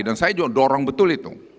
dan saya juga dorong betul itu